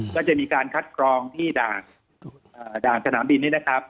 ก็จะมีการคัดกรองที่ด่างขนามบิน